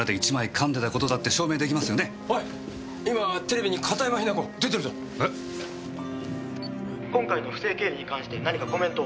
「今回の不正経理に関して何かコメントを」